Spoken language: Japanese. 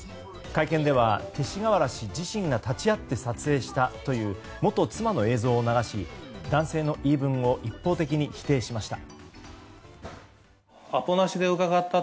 会見では勅使河原氏自身が立ち会って撮影したという元妻の映像を流し男性の言い分を一方的に否定しました。